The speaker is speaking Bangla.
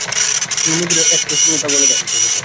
উনার মুখের এক্সপ্রেশনই বলে দেয় সবকিছু।